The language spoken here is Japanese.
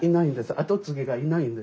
後継ぎがいないんです。